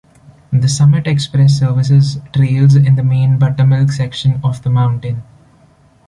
The Summit Express services trails in the Main Buttermilk section of the mountain.